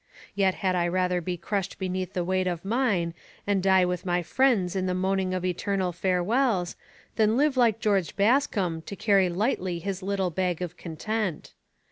Yet had I rather be crushed beneath the weight of mine, and die with my friends in the moaning of eternal farewells, than live like George Bascombe to carry lightly his little bag of content.